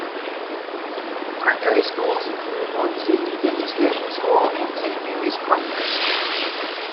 Primary schools include North Sydney Demonstration School and Saint Marys Primary School.